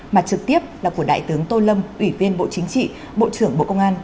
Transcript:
mà trực tiếp là của đại tướng tô lâm ủy viên bộ chính trị bộ trưởng bộ công an